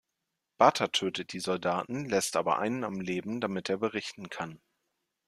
Bata tötet die Soldaten, lässt aber einen am Leben, damit er berichten kann.